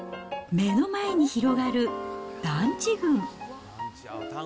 目の前に広がる団地群。